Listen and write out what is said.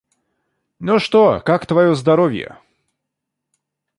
Ну, что, как твое здоровье?